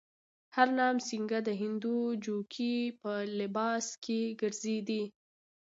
هرنام سینګه د هندو جوګي په لباس کې ګرځېدی.